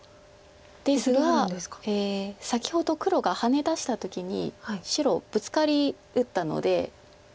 ですが先ほど黒がハネ出した時に白ブツカリ打ったので。